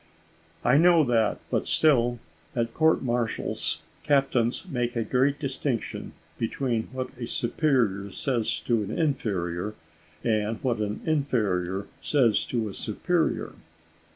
"I know that; but still, at court martials captains make a great distinction between what a superior says to an inferior, and what an inferior says to a superior."